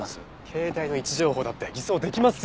携帯の位置情報だって偽装できますよ！